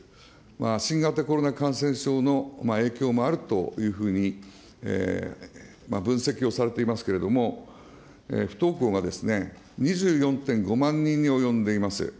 新型コロナ感染症の影響もあるというふうに、分析をされていますけれども、不登校が２４．５万人に及んでいます。